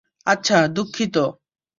আচ্ছা, দুঃখিত।